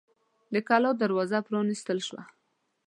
د کلا دروازه پرانیستل شوه.